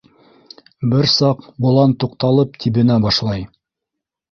Бер саҡ болан туҡталып, тибенә башлай.